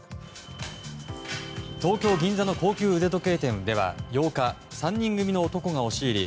東京・銀座の高級腕時計店では８日３人組の男が押し入り